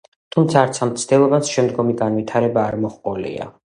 თუმცა, არც ამ მცდელობას შემდგომი განვითარება არ მოჰყოლია.